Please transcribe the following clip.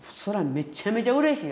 めちゃめちゃうれしい。